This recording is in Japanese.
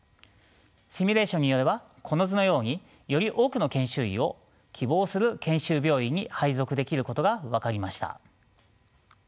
シミュレーションによればこの図のようにより多くの研修医を希望する研修病院に配属できることが分かりました。